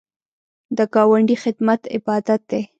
د ګاونډي خدمت عبادت دی